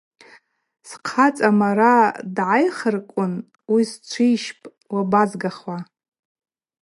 Схъацӏа мара дгӏайхырквын усчвищпӏ, уабазгахуа?